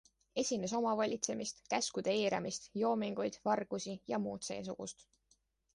Esines omavolitsemist, käskude eiramist, joominguid, vargusi ja muud seesugust.